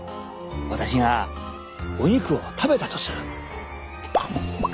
私がお肉を食べたとする。